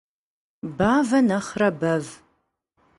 Bave nexhre bev.